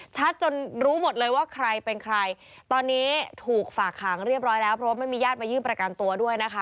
จนรู้หมดเลยว่าใครเป็นใครตอนนี้ถูกฝากหางเรียบร้อยแล้วเพราะว่าไม่มีญาติมายื่นประกันตัวด้วยนะคะ